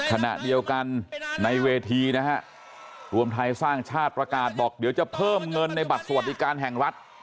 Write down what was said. ขณะเดียวกันในเวทีนะฮะรวมไทยสร้างชาติประกาศบอกเดี๋ยวจะเพิ่มเงินในบัตรสวัสดิการแห่งรัฐ